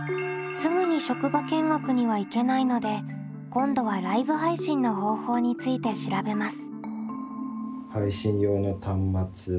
すぐに職場見学には行けないので今度はライブ配信の方法について調べます。